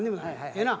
ええな？